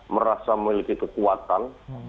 merasa memiliki kekuatan